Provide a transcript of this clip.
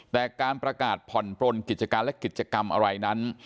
แต่การประกาศผ่อนปลนกิจการและกิจกรรมอะไรนั้น